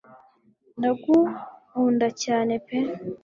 ndaguunda cyane pe